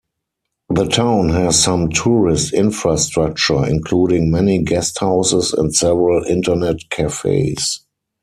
The town has some tourist infrastructure, including many guesthouses and several internet cafes.